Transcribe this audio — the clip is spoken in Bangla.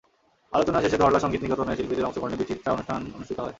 আলোচনা শেষে ধরলা সংগীত নিকেতনের শিল্পীদের অংশগ্রহণে বিচিত্রা অনুষ্ঠান অনুষ্ঠিত হয়।